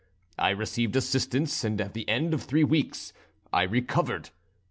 I received assistance, and at the end of three weeks I recovered.